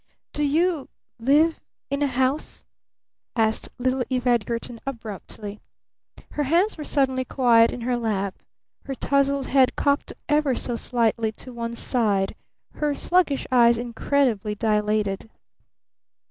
"Do you live in a house?" asked little Eve Edgarton abruptly. Her hands were suddenly quiet in her lap, her tousled head cocked ever so slightly to one side, her sluggish eyes incredibly dilated.